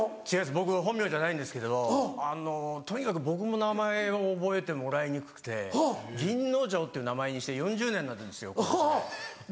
僕本名じゃないんですけどとにかく僕も名前を覚えてもらいにくくて銀之丞っていう名前にして４０年になるんですよ今年で。